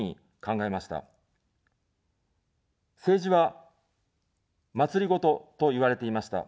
政治は、まつりごとといわれていました。